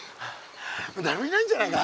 だれもいないんじゃないか？